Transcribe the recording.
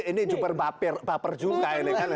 ini juga baper juga